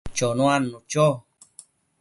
chonuadnu cho